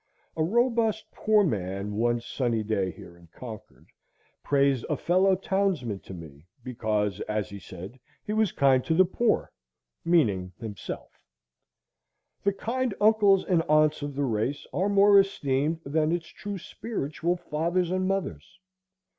A robust poor man, one sunny day here in Concord, praised a fellow townsman to me, because, as he said, he was kind to the poor; meaning himself. The kind uncles and aunts of the race are more esteemed than its true spiritual fathers and mothers.